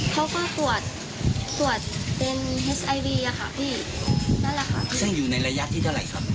เขาก็ปวดปวดเป็นอะค่ะพี่นั่นแหละค่ะซึ่งอยู่ในระยะที่เท่าไรครับ